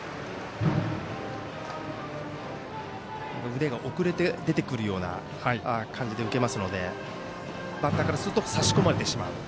腕が遅れて出てくるような感じで受けますのでバッターからすると差し込まれてしまう。